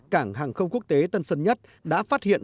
cảng hàng không quốc tế tân sơn nhất đã phát hiện